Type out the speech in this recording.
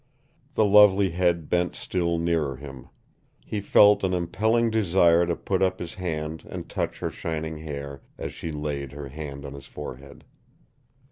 The lovely head bent still nearer him. He felt an impelling desire to put up his hand and touch her shining hair, as she laid her hand on his forehead.